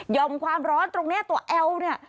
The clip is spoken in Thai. อมความร้อนตรงนี้ตัวแอลเนี่ย